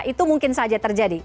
itu mungkin saja terjadi